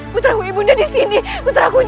putraku ibunya disini putraku ini